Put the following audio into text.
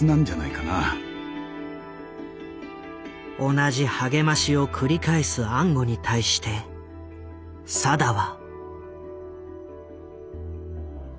同じ励ましを繰り返す安吾に対して定は。